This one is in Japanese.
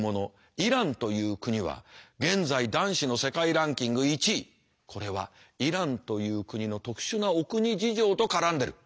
イランという国は現在男子の世界ランキング１位これはイランという国の特殊なお国事情と絡んでる。